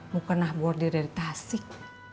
mukena bordir dari tasik